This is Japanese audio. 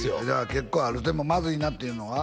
結構あるでもまずいなっていうのは？